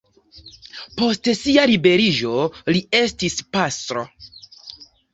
Post sia liberiĝo li estis pastro.